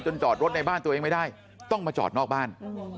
จอดรถในบ้านตัวเองไม่ได้ต้องมาจอดนอกบ้าน